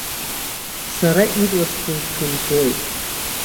Сара ирласӡаны схынҳәуеит.